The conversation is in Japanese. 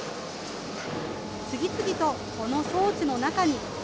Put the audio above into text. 次々とこの装置の中に。